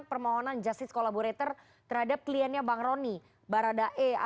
permohonan justice collaborator terhadap kliennya bang roni baradae